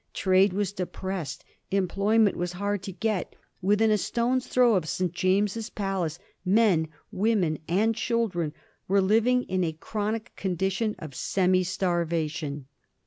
Trade was depressed; employment was hard to get; with in a stone's throw of St. James's Palace men, women, and children were living in a chronic condition of semi star vation.